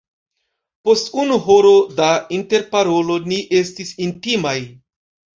Post unu horo da interparolo, ni estis intimaj.